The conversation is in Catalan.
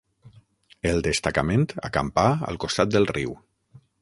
El destacament acampà al costat del riu.